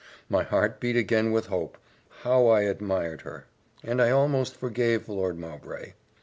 My heart beat again with hope how I admired her! and I almost forgave Lord Mowbray.